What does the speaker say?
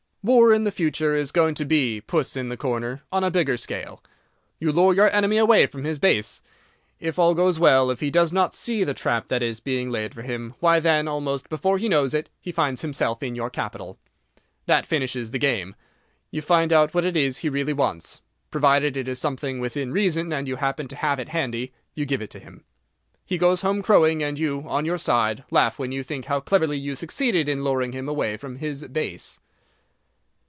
War in the future is going to be Puss in the Corner on a bigger scale. You lure your enemy away from his base. If all goes well—if he does not see the trap that is being laid for him—why, then, almost before he knows it, he finds himself in your capital. That finishes the game. You find out what it is he really wants. Provided it is something within reason, and you happen to have it handy, you give it to him. He goes home crowing, and you, on your side, laugh when you think how cleverly you succeeded in luring him away from his base.